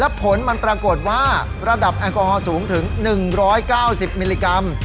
และผลมันปรากฏว่าระดับแอลกอฮอลสูงถึง๑๙๐มิลลิกรัม